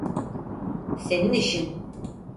Senin işin.